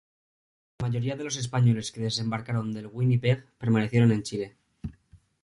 La mayoría de los españoles que desembarcaron del "Winnipeg" permanecieron en Chile.